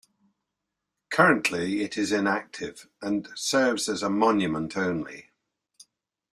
Currently it is inactive and serves as a monument only.